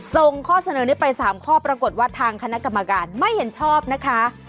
ส่งข้อเสนอนี้ไป๓ข้อปรากฏว่าทางคณะกรรมการไม่เห็นชอบนะคะ